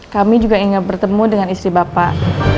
kami juga ingat bertemu dengan istri bapak